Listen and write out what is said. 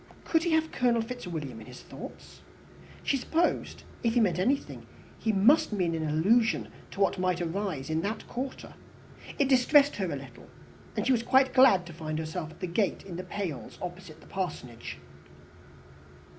Could he have Colonel Fitzwilliam in his thoughts? She supposed, if he meant anything, he must mean an allusion to what might arise in that quarter. It distressed her a little, and she was quite glad to find herself at the gate in the pales opposite the Parsonage.